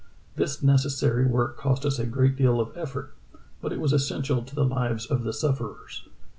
This necessary work cost us a great deal of effort, but it was essential to the lives of the sufferers.